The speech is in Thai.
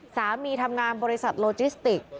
สามีทำงานบริษัทโลจิสติก